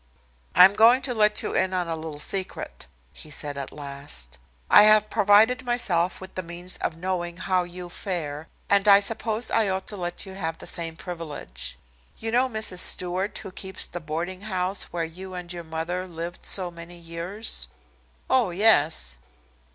"I am going to let you in on a little secret," he said at last. "I have provided myself with the means of knowing how you fare, and I suppose I ought to let you have the same privilege. You know Mrs. Stewart, who keeps the boarding house where you and your mother lived so many years?" "Oh, yes."